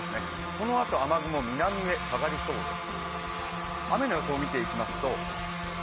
このあと雨雲、南へ下がりそうです